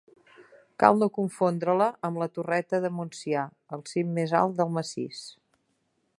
Cal no confondre-la amb la Torreta de Montsià, el cim més alt del massís.